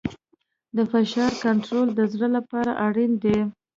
د فشار کنټرول د زړه لپاره اړین دی.